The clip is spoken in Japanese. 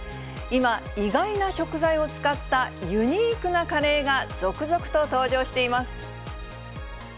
今、意外な食材を使ったユニークなカレーが、続々と登場しています。